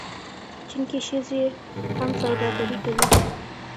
چین کې ښځې هم سوداګري کوي.